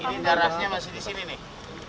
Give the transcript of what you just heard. ini darahnya masih di sini nih